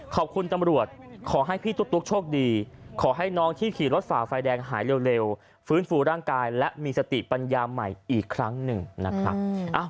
ขอบคุณตำรวจขอให้พี่ตุ๊กโชคดีขอให้น้องที่ขี่รถฝ่าไฟแดงหายเร็วฟื้นฟูร่างกายและมีสติปัญญาใหม่อีกครั้งหนึ่งนะครับ